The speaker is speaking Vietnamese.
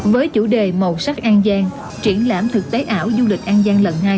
với chủ đề màu sắc an giang triển lãm thực tế ảo du lịch an giang lần hai